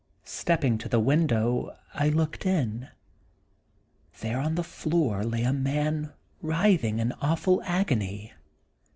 Stepping to the window, I looked in. There on the floor lay a man writhing in awful agony.